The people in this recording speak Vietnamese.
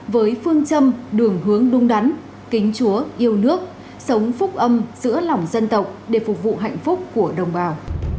với phương châm đường hướng đúng đắn kính chúa yêu nước sống phúc âm giữa lòng dân tộc để phục vụ hạnh phúc của đồng bào